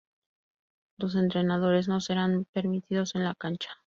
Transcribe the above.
Los entrenadores no serán permitidos en la cancha.